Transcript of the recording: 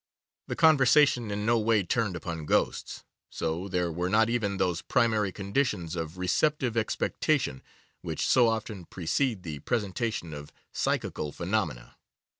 The conversation in no way turned upon ghosts, so there were not even those primary conditions of receptive expectation which so often precede the presentation of psychical phenomena.